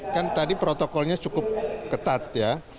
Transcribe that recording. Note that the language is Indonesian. kan tadi protokolnya cukup ketat ya